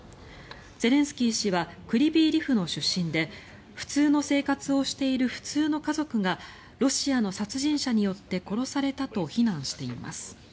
ゼレンスキー氏はクリビー・リフの出身で普通の生活をしている普通の家族がロシアの殺人者によって殺されたと非難しています。